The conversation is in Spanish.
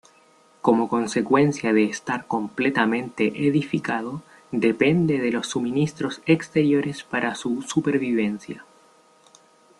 Como consecuencia de estar completamente edificado, depende de los suministros exteriores para su supervivencia.